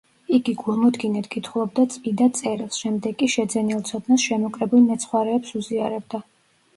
იგი გულმოდგინედ კითხულობდა წმიდა წერილს, შემდეგ კი შეძენილ ცოდნას შემოკრებილ მეცხვარეებს უზიარებდა.